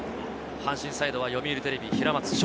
阪神サイドは、読売テレビ・平松翔